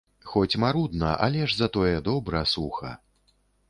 Хоць марудна, але ж за тое добра, суха.